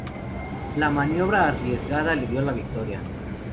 La maniobra, arriesgada, le dio la victoria.